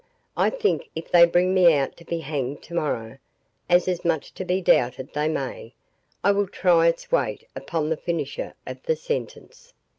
I think, if they bring me out to be hanged to morrow, as is much to be doubted they may, I will try its weight upon the finisher of the sentence."